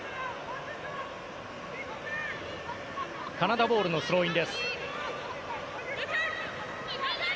カナダボールのスローイン。